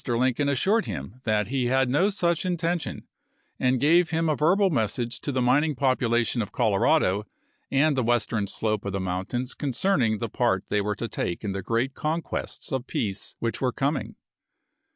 Lincoln assured him that he had no such intention, and gave him a verbal message to the mining population of Colorado and the Western slope of the mountains concerning the part they were to take in the great conquests of peace which were coming.